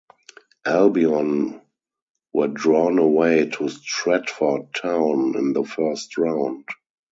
Albion were drawn away to Stratford Town in the first round.